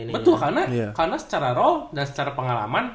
betul karena secara roll dan secara pengalaman